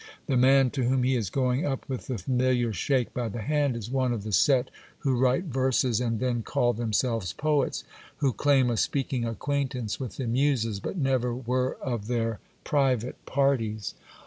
The man to whom he is going up with that familiar shake by the hand, is one of the set who write verses and then call themselves poets ; who claim a speaking acquaintance with the muses, but never were of their private parties.